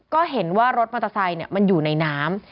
ก็เห็นว่ารถมอเตอร์ไซค์มันอยู่ในน้ำ